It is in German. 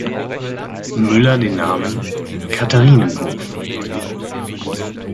Müller den Namen "Katharinenhof".